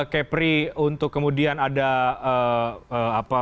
kepri untuk kemudian ada